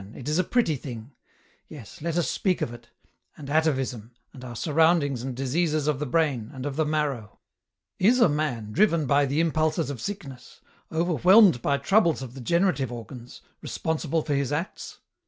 it is a pretty thing. Yes, let us speak of it, and atavism, and our surroundings and diseases of the brain, and of the marrow. Is a man driven by the impulses of sickness, overwhelmed by troubles of the genera tive organs, responsible for his acts